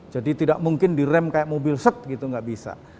jadi tidak mungkin direm kayak mobil gitu gak bisa